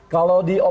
kalau di opsi kampung